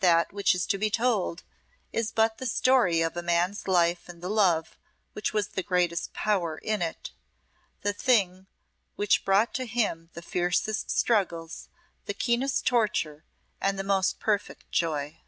That which is to be told is but the story of a man's life and the love which was the greatest power in it the thing which brought to him the fiercest struggles, the keenest torture, and the most perfect joy.